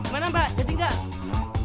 mana mbak jadi gak